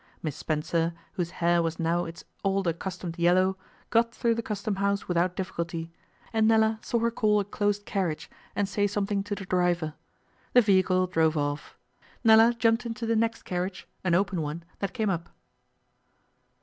Miss Spencer, whose hair was now its old accustomed yellow, got through the Custom House without difficulty, and Nella saw her call a closed carriage and say something to the driver. The vehicle drove off. Nella jumped into the next carriage an open one that came up.